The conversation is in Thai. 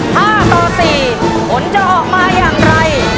๕๔ผลจะออกมาอย่างไร